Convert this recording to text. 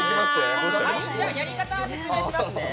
やり方説明します。